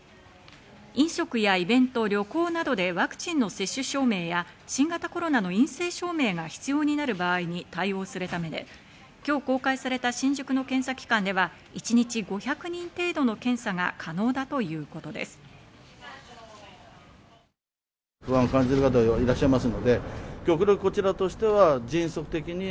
飲食やイベント、旅行などでワクチンの接種証明や、新型コロナの陰性証明が必要になる場合に対応するためで、今日公開された新宿の検査機関では一日５００人程度の検査が可能だということです。